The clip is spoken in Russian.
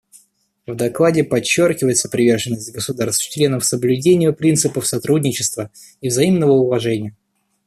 В докладе подчеркивается приверженность государств-членов соблюдению принципов сотрудничества и взаимного уважения.